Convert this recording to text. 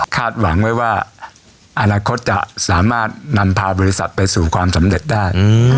หวังไว้ว่าอนาคตจะสามารถนำพาบริษัทไปสู่ความสำเร็จได้